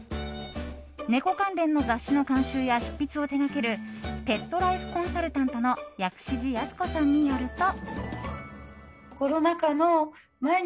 猫関連の雑誌の監修や執筆を手掛けるペットライフコンサルタントの薬師寺康子さんによると。